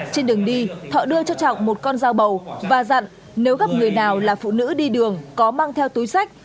trên đường đi thọ đưa cho trọng một con dao bầu và dặn nếu gặp người nào là phụ nữ đi đường có mang theo túi sách